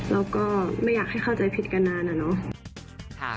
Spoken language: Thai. เราก็ไม่อยากให้เข้าใจผิดกันนานอะเนาะ